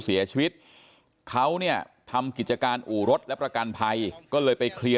เสียชีวิตเขาเนี่ยทำกิจการอู่รถและประกันภัยก็เลยไปเคลียร์